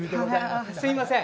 すいません。